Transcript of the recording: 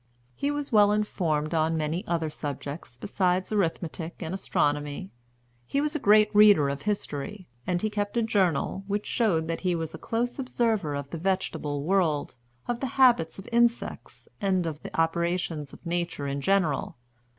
He was well informed on many other subjects besides arithmetic and astronomy. He was a great reader of history; and he kept a Journal, which shows that he was a close observer of the vegetable world, of the habits of insects, and of the operations of Nature in general.